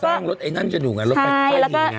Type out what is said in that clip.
ก่อสร้างรถไอ้นั่นจะหนูกันรถไปดีไง